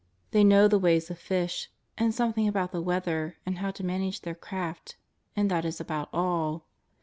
They know the ways of fish, and something about the weather, and how to manage their craft — and that is about all.